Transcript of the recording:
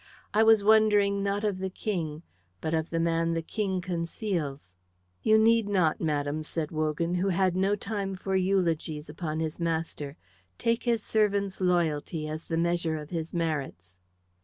"I was wondering not of the King, but of the man the King conceals." "You need not, madam," said Wogan, who had no time for eulogies upon his master. "Take his servant's loyalty as the measure of his merits."